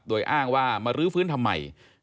โดยอ้างว่ามารื้อฟื้นทำไม